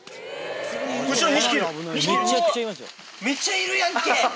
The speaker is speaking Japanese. めっちゃいるやんけ！